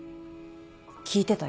聞いてたよ。